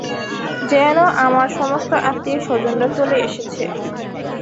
যেন আমার সমস্ত আত্মীয়স্বজনরা চলে এসেছে।